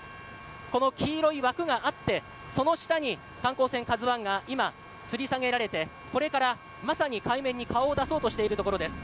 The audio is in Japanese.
この黄色い枠があってその下に観光船「ＫＡＺＵ１」が今つり下げられてこれからまさに海面に顔を出そうとしているところです。